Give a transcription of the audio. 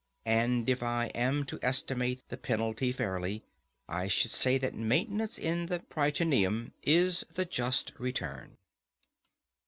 And if I am to estimate the penalty fairly, I should say that maintenance in the Prytaneum is the just return.